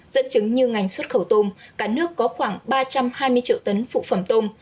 dẫn chứng như ngành xuất khẩu tôm cả nước có khoảng ba trăm hai mươi triệu tấn phụ phẩm tôm